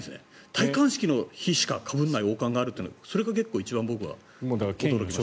戴冠式の日しかかぶらない王冠があるというそれが結構一番僕は驚きました。